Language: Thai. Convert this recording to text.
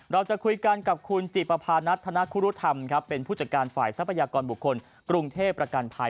เราจะคุยกันกับคุณจิปภานัทธนคุรุธรรมครับเป็นผู้จัดการฝ่ายทรัพยากรบุคคลกรุงเทพประกันภัย